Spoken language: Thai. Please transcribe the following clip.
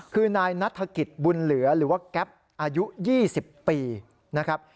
คือนายนัฐกิจบุญเหลือหรือว่าแก๊ปอายุ๒๐ปีนะครับ